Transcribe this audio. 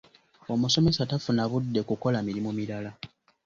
Omusomesa tafuna budde kukola mirimu mirala.